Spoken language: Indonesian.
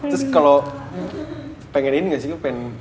terus kalo pengenin ga sih